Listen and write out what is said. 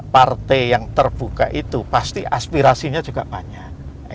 partai yang terbuka itu pasti aspirasinya juga banyak